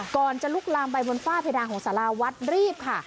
ก่อนจะลุกลามไปบนฝ้าเพดานของสาราวัดรีบค่ะ